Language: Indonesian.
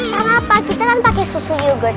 karena apa kita kan pakai susu yogurt